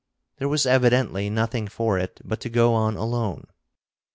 There was evidently nothing for it but to go on alone.